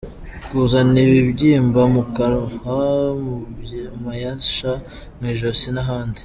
Kuzana ibibyimba mu kwaha, mu mayasha, mw’ijosi n’ahandi .